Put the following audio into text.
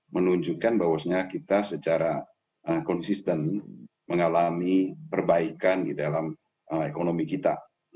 menunjukkan bahwasanya kita secara konsisten mengalami perbaikan di dalam ekonomi kita